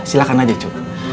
silahkan aja cu